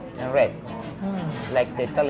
seperti pembunuh italia